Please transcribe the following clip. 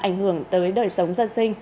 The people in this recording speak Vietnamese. ảnh hưởng tới đời sống dân sinh